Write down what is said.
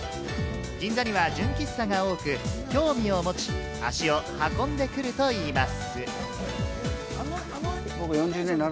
銀座には純喫茶が多く、興味を持ち、足を運んでくるといいます。